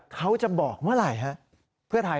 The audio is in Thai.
เขาจะบอกเวลาไหร่ครับเพื่อใคร